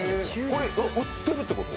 これ売ってるってこと？